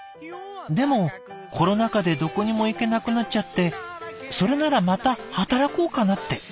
でもコロナ禍でどこにも行けなくなっちゃってそれならまた働こうかなって。